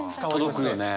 届くよね。